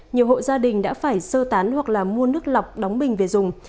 nhiều hộ gia đình đã phải sơ tán hoặc mua nước lọc đóng bình về dùng